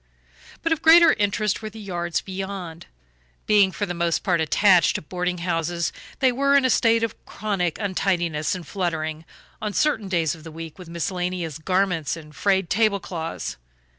But of greater interest were the yards beyond. Being for the most part attached to boarding houses they were in a state of chronic untidiness and fluttering, on certain days of the week, with miscellaneous garments and frayed table cloths.